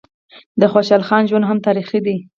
د خوشحال خان ژوند هم تاریخي دی.